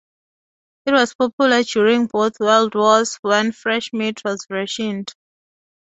It was popular during both World Wars, when fresh meat was rationed.